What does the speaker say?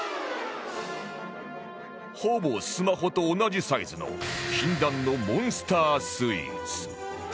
ほぼスマホと同じサイズの禁断のモンスタースイーツ